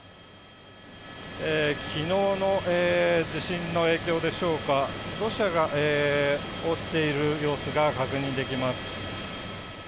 昨日の地震の影響でしょうか土砂が落ちている様子が確認できます。